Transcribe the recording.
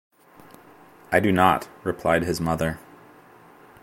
“I do not,” replied his mother.